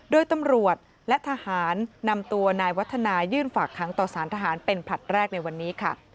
โดยตำรวจและทหารนำตัวนายวัฒนายื่นฝากค้างต่อสารทหารเป็นผลัดแรกในวันนี้ค่ะ